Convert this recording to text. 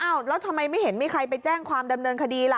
แล้วทำไมไม่เห็นมีใครไปแจ้งความดำเนินคดีล่ะ